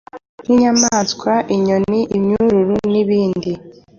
nk’inyamaswa, inyoni imyururu n’ibindi